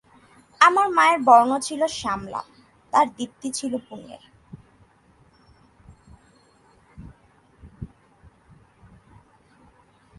আমার মায়ের বর্ণ ছিল শামলা, তাঁর দীপ্তি ছিল পুণ্যের।